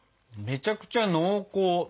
めちゃくちゃ濃厚。